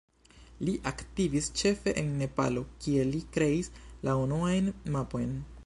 Li aktivis ĉefe en Nepalo, kie li kreis la unuajn mapojn.